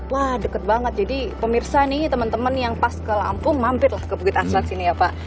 wah deket banget jadi pemirsa nih teman teman yang pas ke lampung mampir lah ke bukit astrak sini ya pak